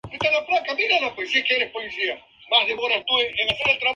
Fue elegido varias veces concejal en el Ayuntamiento de Valencia.